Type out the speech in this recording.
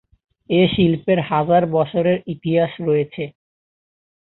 এ শিল্পের হাজার বছরের ইতিহাস রয়েছে।